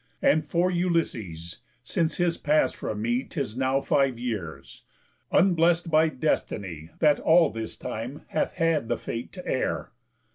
And for Ulysses, since his pass from me 'Tis now five years. Unbless'd by destiny, That all this time hath had the fate to err!